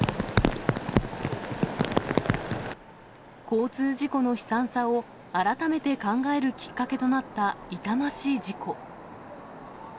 交通事故の悲惨さを改めて考えるきっかけとなった痛ましい事故。